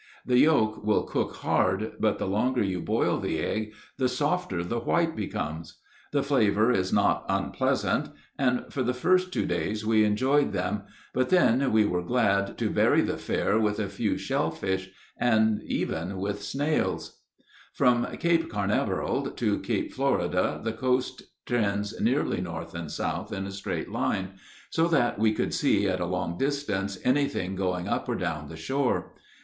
The yolk will cook hard, but the longer you boil the egg the softer the white becomes. The flavor is not unpleasant, and for the first two days we enjoyed them; but then we were glad to vary the fare with a few shell fish and even with snails. [Illustration: SEARCHING FOR TURTLES' EGGS.] From Cape Carnaveral to Cape Florida the coast trends nearly north and south in a straight line, so that we could see at a long distance anything going up or down the shore.